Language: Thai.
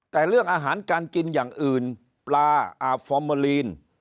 แต่เรื่องอาหารการกินอย่างอื่นปลาอาบฟอร์เมอลีน